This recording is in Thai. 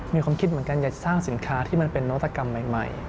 มีความคิดเหมือนกันอยากจะสร้างสินค้าที่มันเป็นนวัตกรรมใหม่